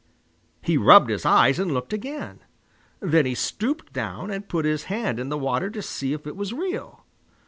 He rubbed his eyes and looked again. Then he stooped down and put his hand in the water to see if it was real.